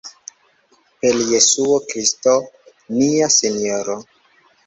Per Jesuo Kristo nia Sinjoro.